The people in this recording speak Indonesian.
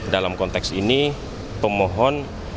dalam konteks ini pemohon